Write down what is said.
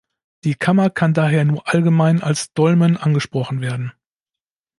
Die Kammer kann daher nur allgemein als Dolmen angesprochen werden.